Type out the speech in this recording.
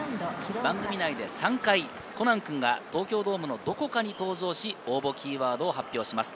番組内で３回、コナン君が東京ドームのどこかに登場し、応募キーワードを発表します。